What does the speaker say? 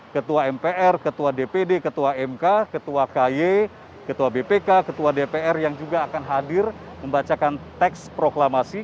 ketua mpr ketua dpd ketua mk ketua ky ketua bpk ketua dpr yang juga akan hadir membacakan teks proklamasi